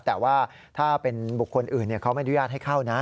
แต่ว่าถ้าเป็นบุคคลอื่นเขาไม่อนุญาตให้เข้านะ